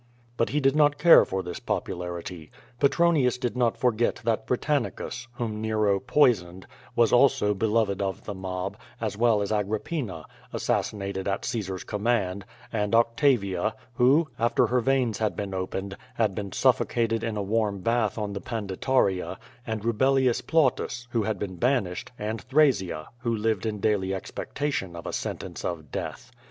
But he did not care for this popularity. Petronius did not forget that Britannicus, whom Kero poisoned, was also beloved of the mob, as well as Agrippina, assassinated at Caesar's com mand, and Octavia, who, after her veins had been opened, had been suffocated in a warm bath on the Panditaria, and Rubellius Plautus, who had been banished, and Thrasea, who lived in daily expectation of a sentence of death.